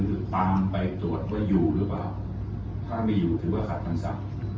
คือตามไปตรวจว่าอยู่หรือเปล่าถ้าไม่อยู่ถือว่าขาดทางศัพย์